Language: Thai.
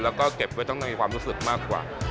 แล้วก็เก็บไว้ต้องในความรู้สึกมากกว่า